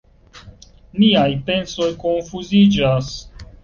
Miaj pensoj konfuziĝas.